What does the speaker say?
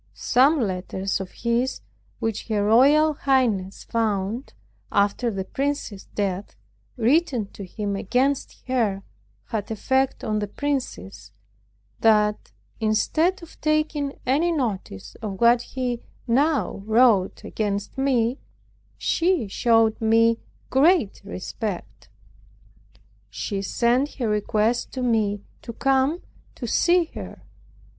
Some letters of his, which her royal highness found after the prince's death, written to him against her, had effect on the princess, that, instead of taking any notice of what he now wrote against me, she showed me great respect. She sent her request to me to come to see her.